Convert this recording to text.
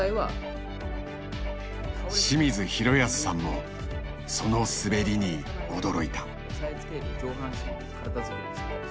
清水宏保さんもその滑りに驚いた。